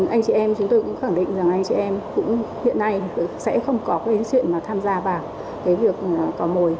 anh chị em chúng tôi cũng khẳng định rằng anh chị em cũng hiện nay sẽ không có cái chuyện mà tham gia vào cái việc cỏ mồi